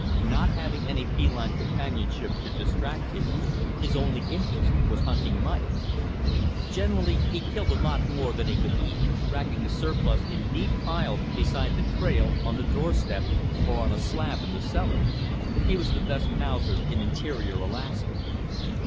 Not having any feline companionship to distract him, his only interest was hunting mice. Generally he killed a lot more than he could eat, racking the surplus in neat piles beside the trail, on the doorstep, or on a slab in the cellar. He was the best mouser in interior Alaska.